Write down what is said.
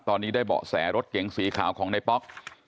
ตอนนี้ได้เบาะแสรถเก๋งสีขาวของในป๊อก